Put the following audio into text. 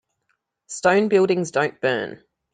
Stone buildings don't burn.